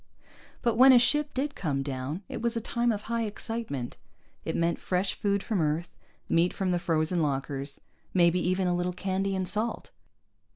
But when a ship did come down, it was a time of high excitement. It meant fresh food from Earth, meat from the frozen lockers, maybe even a little candy and salt.